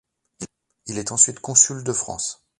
Il est ensuite consul de France.